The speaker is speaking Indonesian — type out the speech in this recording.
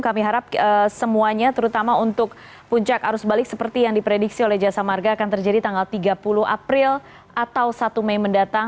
kami harap semuanya terutama untuk puncak arus balik seperti yang diprediksi oleh jasa marga akan terjadi tanggal tiga puluh april atau satu mei mendatang